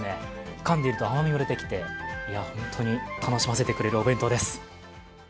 噛んでいると甘みも出てきて本当に楽しませてくれるお弁当です。